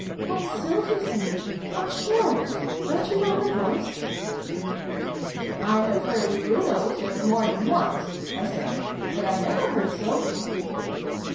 " That's Sylvie singing ! I'm sure of it ! Don't you know her voice ?"" I have heard Brimo sing, more than once," I said :" but I never heard Sylvie."